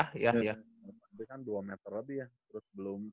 tapi kan dua meter lebih ya terus belum